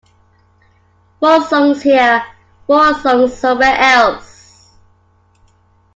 Four songs here, four songs somewhere else.